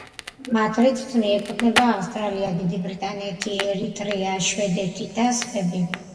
მათ რიცხვს მიეკუთვნება ავსტრალია, დიდი ბრიტანეთი, ერიტრეა, შვედეთი და სხვები.